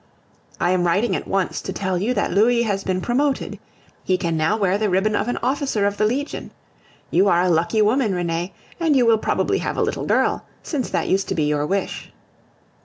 I am writing at once to tell you that Louis has been promoted. He can now wear the ribbon of an officer of the Legion. You are a lucky woman, Renee, and you will probably have a little girl, since that used to be your wish!